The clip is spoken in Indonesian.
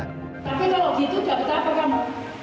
tapi kalau gitu dapat apa kamu